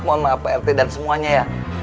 mohon maaf prt dan semuanya ya